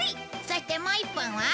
そしてもう１本は